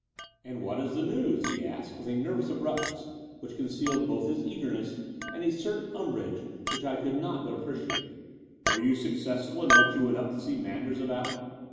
"And what is your news?" he asked with a nervous abruptness, which concealed both his eagerness and a certain umbrage, which T cotild not but appreciate. "Were you successful in what you went up to see Manders about?"